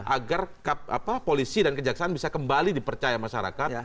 agar polisi dan kejaksaan bisa kembali dipercaya masyarakat